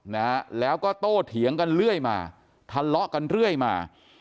นะฮะแล้วก็โตเถียงกันเรื่อยมาทะเลาะกันเรื่อยมา